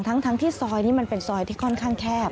ทั้งที่ซอยนี้มันเป็นซอยที่ค่อนข้างแคบ